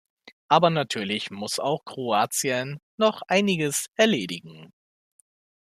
Aber natürlich muss auch Kroatien noch einiges erledigen.